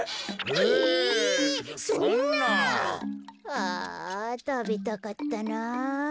・ああたべたかったなあ。